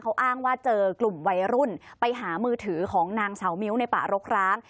เขาอ้างว่าเจอกลุ่มวัยรุ่นไปหามือถือของนางสาวมิ้วในป่ารกร้าง